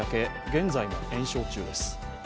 現在も延焼中です。